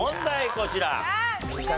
こちら。